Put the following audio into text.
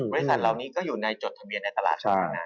บริษัทเหล่านี้ก็อยู่ในจดทะเบียนในตลาดของเรานะ